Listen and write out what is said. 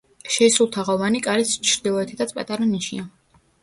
შეისრულთაღოვანი კარის ჩრდილოეთითაც პატარა ნიშია.